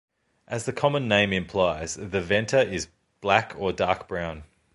As the common name implies, the venter is black or dark brown.